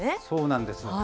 そうなんです。